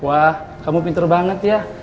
wah kamu pinter banget ya